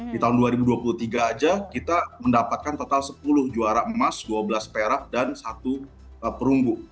di tahun dua ribu dua puluh tiga aja kita mendapatkan total sepuluh juara emas dua belas perak dan satu perunggu